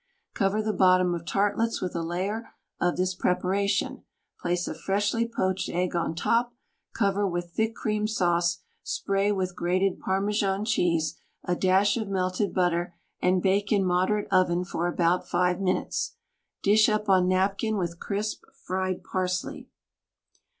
Cover the bottom of tartlettes with a layer of this preparation, place a freshly poached egg on top, cover with thick cream sauce, spray with grated Parmesan cheese, a dash of melted butter, and bake in moderate oven for about five minutes. Dish up on napkin with crisp fried parsley.